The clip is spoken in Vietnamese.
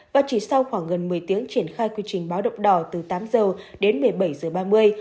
và chỉ sau khoảng gần một mươi tiếng triển khai quy trình báo động đỏ từ tám h đến một mươi bảy h ba mươi